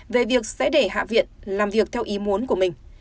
về việc sẽ để hạ viện làm việc theo ý muốn của mình